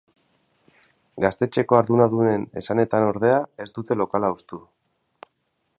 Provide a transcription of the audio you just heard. Gaztetxeko arduradunen esanetan, ordea, ez dute lokala hustu.